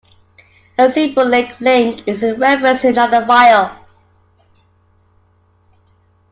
A symbolic link is a reference to another file.